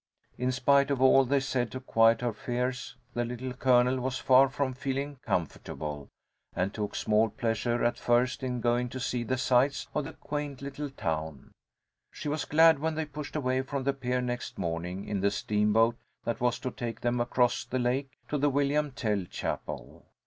In spite of all they said to quiet her fears, the Little Colonel was far from feeling comfortable, and took small pleasure at first in going to see the sights of the quaint little town. She was glad when they pushed away from the pier next morning, in the steamboat that was to take them across the lake to the William Tell chapel.